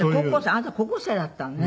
あなた高校生だったのね。